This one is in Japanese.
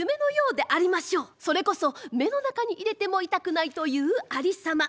それこそ目の中に入れても痛くないというありさま。